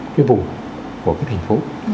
cái vùng của cái thành phố